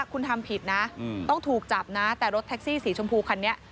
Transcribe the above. คุณทำผิดนะต้องถูกจับนะแต่รถแท็กซี่สีชมพูคันนี้